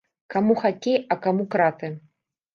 Каму хакей, а каму краты.